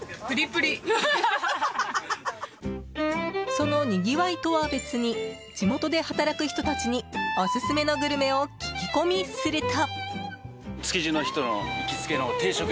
そのにぎわいとは別に地元で働く人たちにオススメのグルメを聞き込みすると。